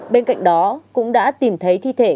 bên cạnh đó cũng đã tìm thấy thi thể